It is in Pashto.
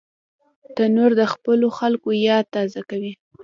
تنور د خپلو خلکو یاد تازه کوي